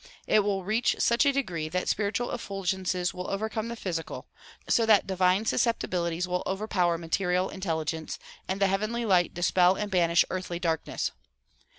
It will reach such a degree that spiritual effulgences will overcome the physical, so that divine susceptibilities will overpower material intelligence and the heavenly light dispel and banish earthly darkness.